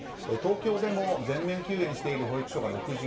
東京でも全面休園している保育所が６１。